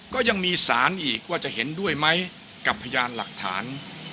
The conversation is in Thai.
ก็ยังมีสารอีกว่าจะเห็นด้วยไหมกับพยานหลักฐาน